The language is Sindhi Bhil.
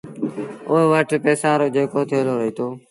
اُئي وٽ پئيسآݩ رو جيڪو ٿيلو رهيٚتو